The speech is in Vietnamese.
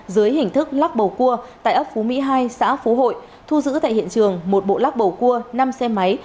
dưới hình thức lắc bầu cua tại ấp phú mỹ hai xã phú hội thu giữ tại hiện trường một bộ lắc bầu cua năm xe máy